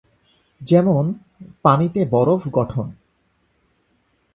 যেমনঃ পানিতে বরফ গঠন।